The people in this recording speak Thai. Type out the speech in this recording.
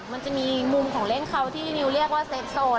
มันจะมีมุมของเล่นเขาที่นิวเรียกว่าเซฟโซน